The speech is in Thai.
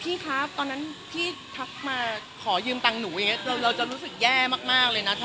พี่ครับตอนนั้นพี่ทักมาขอยืมต่างหนูไรเงี้ยเราจะรู้สึกแย่มากเลยนะถ้าเป็นอย่างนั้น